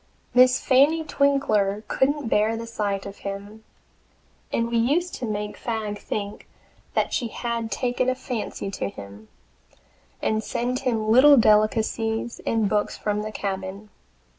Miss Fanny Twinkler couldn't bear the sight of him, and we used to make Fagg think that she had taken a fancy to him, and send him little delicacies and books from the cabin.